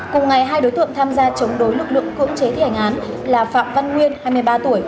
cùng ngày hai đối tượng tham gia chống đối lực lượng cưỡng chế thi hành án là phạm văn nguyên hai mươi ba tuổi